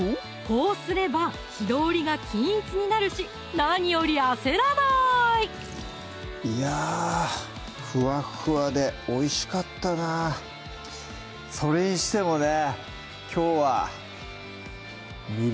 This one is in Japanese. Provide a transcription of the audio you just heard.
こうすれば火通りが均一になるし何より焦らないいやふわっふわでおいしかったなそれにしてもね